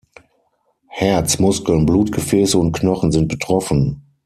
Herz, Muskeln, Blutgefäße und Knochen sind betroffen.